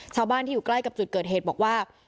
ชาวบ้านที่อยู่ใกล้กับจุดเกิดเหตุบอกว่า